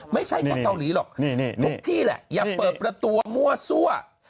ไม่ใช่แค่เกาหลีหรอกทุกที่แหละอย่าเปิดประตูมั่วซั่ว